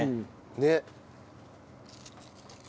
ねっ。